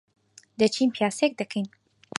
دەچین پیاسەیەک دەکەین.